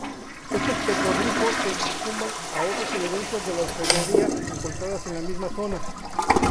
Estos petroglifos se suman a otras evidencias de "orfebrería" encontradas en la misma zona.